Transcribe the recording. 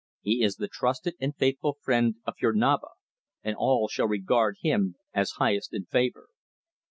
He is the trusted and faithful friend of your Naba, and all shall regard him as highest in favour."